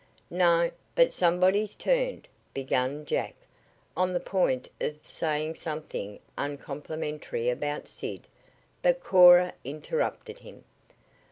"No, but somebody's turned " began Jack, on the point of saying something uncomplimentary about Sid, but Cora interrupted him.